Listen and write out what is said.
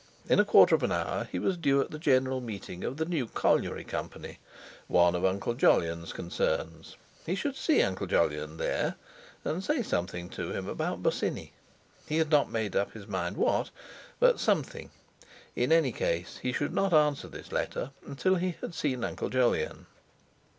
In a quarter of an hour he was due at the General Meeting of the New Colliery Company—one of Uncle Jolyon's concerns; he should see Uncle Jolyon there, and say something to him about Bosinney—he had not made up his mind what, but something—in any case he should not answer this letter until he had seen Uncle Jolyon.